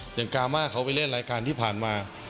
อย่างกามาเขาไปเล่นรายการที่ผ่านมา